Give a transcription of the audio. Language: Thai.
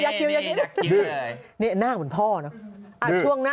ยัดกินนี่น่าเหมือนพ่อน่ะ